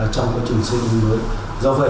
trong quá trình xây dựng nông thôn mới